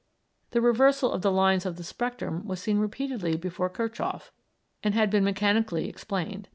The reversal of the lines of the spectrum was seen repeatedly before Kirchhoff, and had been mechanically explained.